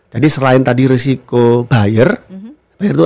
jadi selain tadi resiko buyer